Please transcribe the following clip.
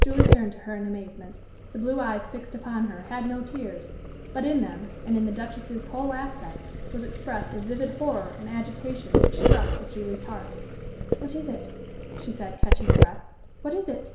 Julie turned to her in amazement. The blue eyes fixed upon her had no tears, but in them, and in the Duchess's whole aspect, was expressed a vivid horror and agitation which struck at Julie's heart. "What is it?" she said, catching her breath. "What is it?"